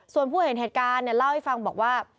ส่วนผู้เห็นเหตุการณ์เนี่ยเล่าให้ฟังบอกว่า